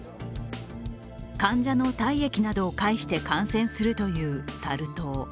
患者の体液などを介して感染するというサル痘。